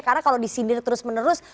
karena kalau disindir terus menerus